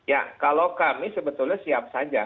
ya kalau kami sebetulnya siap saja